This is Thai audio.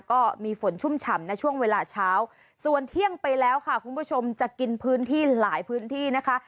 ก็มีฝนชุ่มฉ่ำในช่วงเวลาเช้าส่วนเที่ยงไปแล้วค่ะคุณผู้ชมจะกินพื้นที่หลายพื้นที่นะคะ